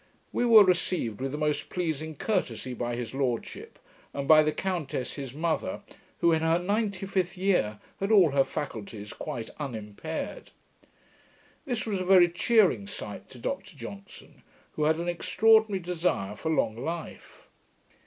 We were received with a most pleasing courtesy by his lordship, and by the countess his mother, who, in her ninety fifth year, had all her faculties quite unimpaired. This was a very cheering sight to Dr Johnson, who had an extraordinary desire for long life.